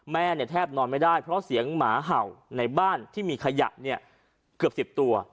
แม่เนี่ยแทบนอนไม่ได้เพราะเสียงหมาเห่าในบ้านที่มีขยะเนี่ยเกือบ๑๐ตัว